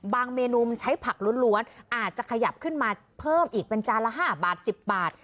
เมนูใช้ผักล้วนอาจจะขยับขึ้นมาเพิ่มอีกเป็นจานละ๕บาท๑๐บาท